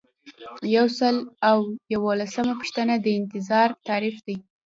یو سل او یوولسمه پوښتنه د انتظار تعریف دی.